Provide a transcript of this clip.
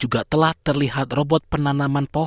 untuk membantu masyarakat di indonesia